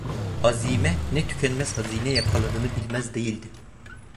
Azime ne tükenmez hazine yakaladığını bilmez değildi.